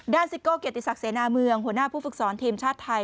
ซิโก้เกียรติศักดิเสนาเมืองหัวหน้าผู้ฝึกสอนทีมชาติไทย